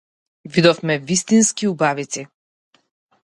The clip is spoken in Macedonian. Видовме вистински убавици.